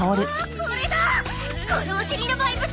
このお尻のバイブス！